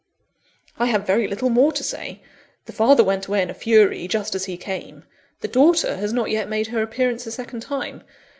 "I have very little more to say. The father went away in a fury, just as he came; the daughter has not yet made her appearance a second time.